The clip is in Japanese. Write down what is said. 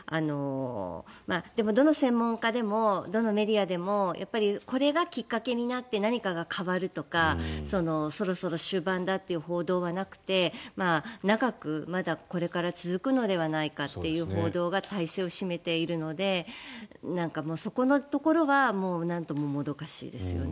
でもどの専門家でもどのメディアでもこれがきっかけになって何かが変わるとかそろそろ終盤だという報道はなくて長くまだこれから続くのではないかという報道が大勢を占めているのでそこのところはなんとももどかしいですよね。